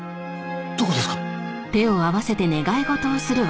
どこですか？